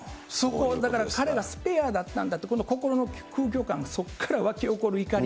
彼がスペアだったんだと、心の空虚感、そこから沸き起こる怒り。